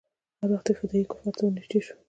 هر وخت چې فدايي کفارو ته ورنژدې سو.